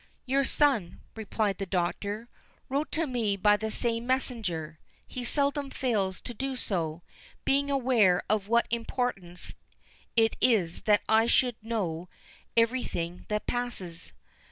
"Your son," replied the Doctor, "wrote to me by the same messenger: he seldom fails to do so, being aware of what importance it is that I should know every thing that passes.